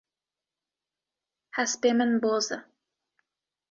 Hespê min boz e.